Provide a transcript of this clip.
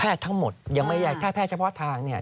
แพทย์ทั้งหมดยังไม่ใหญ่แพทย์เฉพาะทางเนี่ย